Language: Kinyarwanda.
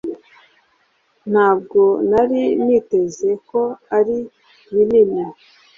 Ntabwo nari niteze ko ari binini